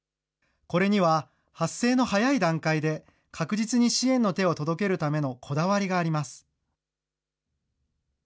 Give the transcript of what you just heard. これには発生の早い段階で、確実に支援の手を届けるためのこだわりがあります。